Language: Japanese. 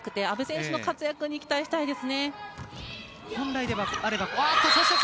阿部選手の活躍に期待したいですね。